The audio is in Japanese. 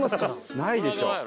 ないでしょ。